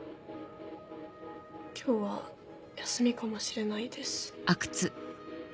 今日は休みかもしれないです。